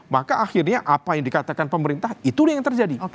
maka akhirnya apa yang dikatakan pemerintah itulah yang terjadi